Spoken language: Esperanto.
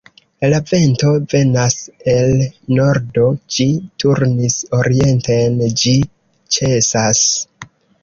La vento venas el nordo; ĝi turnis orienten, ĝi ĉesas.